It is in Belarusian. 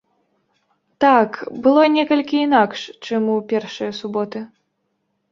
Так, было некалькі інакш, чым у першыя суботы.